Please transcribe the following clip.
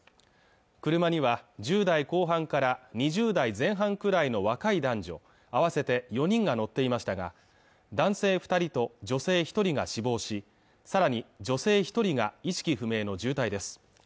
車には１０代後半から２０代前半くらいの若い男女合わせて４人が乗っていましたが男性二人と女性一人が死亡しさらに女性一人が意識不明の重体です